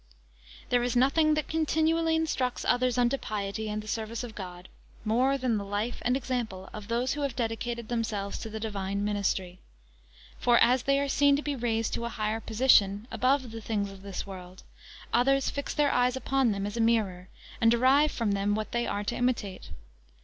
There is nothing that continually instructs others unto piety, and the service of God, more than the life and example of those who have dedicated themselves to the divine ministry. For as they are seen to be raised to a higher position, above the things of this world, others fix their eyes upon them as upon a mirror, and derive from them what they are to imitate.